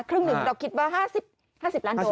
ครึ่งหนึ่งเราคิดว่า๕๐ล้านโด